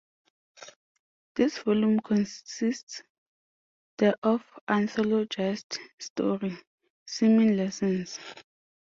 This volume contains the oft-anthologized story, Swimming Lessons.